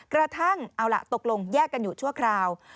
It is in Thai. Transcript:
กระทั่งตกลงแยกกันอยู่ชั่วคราว